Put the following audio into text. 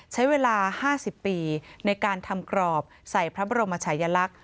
ใช้เวลา๕๐ปีในการทำกรอบใส่พระบรมชายลักษณ์